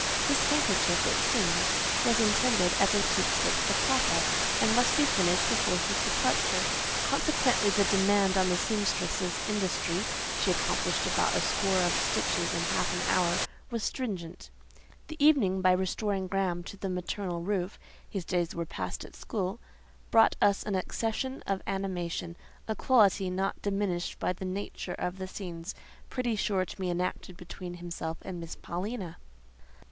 This handkerchief, it seems, was intended as a keepsake for "papa," and must be finished before his departure; consequently the demand on the sempstress's industry (she accomplished about a score of stitches in half an hour) was stringent. The evening, by restoring Graham to the maternal roof (his days were passed at school), brought us an accession of animation—a quality not diminished by the nature of the scenes pretty sure to be enacted between him and Miss Paulina.